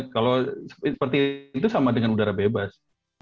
kalau seperti itu sama dengan udara bebas